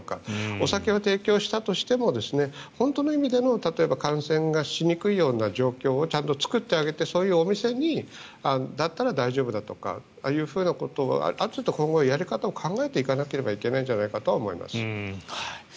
お酒を提供したとしても本当の意味での例えば感染がしにくいような状況をちゃんと作ってあげてそういうお店だったら大丈夫だということなど今後やり方を考えていかなければならないんじゃないかと思います。